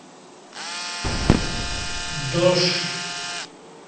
دوݜ